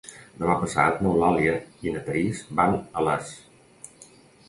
Demà passat n'Eulàlia i na Thaís van a Les.